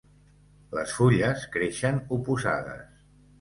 Les fulles creixen oposades.